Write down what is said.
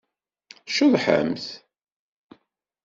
Tceḍḥemt.